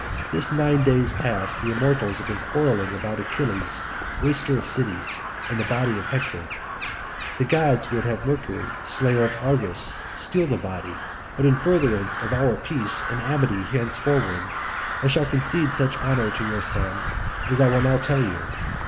This nine days past the immortals have been quarrelling about Achilles waster of cities and the body of Hector. The gods would have Mercury slayer of Argus steal the body, but in furtherance of our peace and amity henceforward, I will concede such honour to your son as I will now tell you.